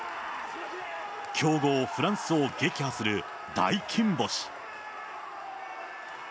強豪、フランスを撃破する大金星。